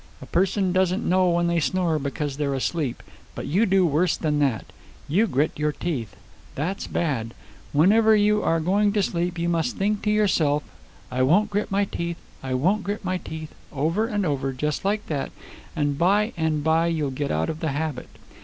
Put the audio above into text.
A person doesn't know when they snore because they're asleep. But you do worse than that. You grit your teeth. That's bad. Whenever you are going to sleep you must think to yourself, 'I won't grit my teeth, I won't grit my teeth,' over and over, just like that, and by and by you'll get out of the habit.